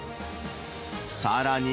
さらに。